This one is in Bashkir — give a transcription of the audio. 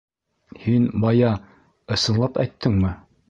Һин бая... ысынлап әйттеңме?